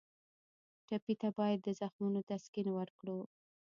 ټپي ته باید د زخمونو تسکین ورکړو.